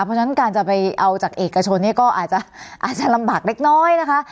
เพราะฉะนั้นการจะไปเอาจากเอกชนเนี่ยก็อาจจะลำบากเล็กน้อยนะคะ